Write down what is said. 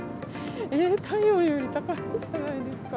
えー、体温より高いじゃないですか。